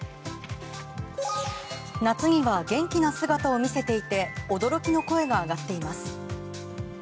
夏には元気な姿を見せていて驚きの声が上がっています。